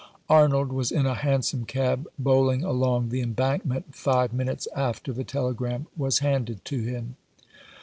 Arnold was in a hansom cab bowling along the Embankment five minutes after the telegram was handed to him.